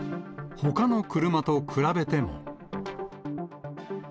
ほかの車と比べても。